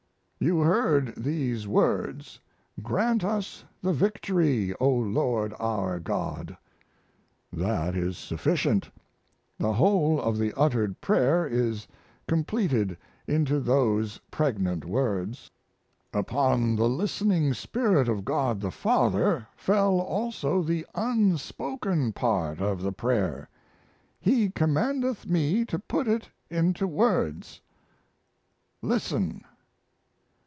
You heard these words: 'Grant us the victory, O Lord our God!' That is sufficient. The whole of the uttered prayer is completed into those pregnant words. "Upon the listening spirit of God the Father fell also the unspoken part of the prayer. He commandeth me to put it into words. Listen!